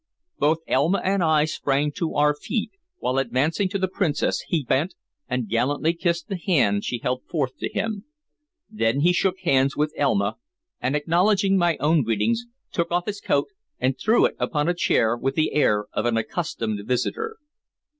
Both Elma and I sprang to our feet, while advancing to the Princess he bent and gallantly kissed the hand she held forth to him. Then he shook hands with Elma, and acknowledging my own greetings, took off his coat and threw it upon a chair with the air of an accustomed visitor.